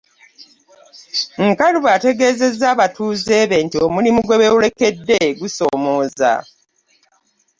Nkalubo ategeezezza abatuuze be nti omulimu gweboolekedde gusoomooza